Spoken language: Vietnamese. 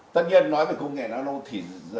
tất nhiên nói về công nghệ nano y học nano là công nghệ nano